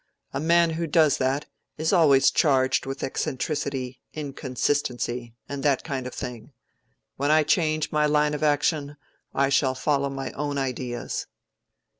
A man who does that is always charged with eccentricity, inconsistency, and that kind of thing. When I change my line of action, I shall follow my own ideas."